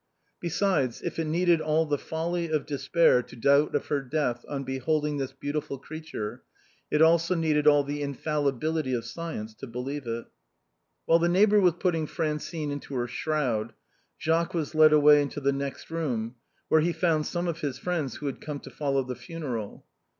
Besides, if it needed all the folly of despair to doubt of her death on beholding this beautiful creature, it also needed all the infallibility of science to believe it. Whilst the neighbor was putting Francine into her shroud Jacques was led away into the next room, where he found some of his friends who had come to follow the funeral.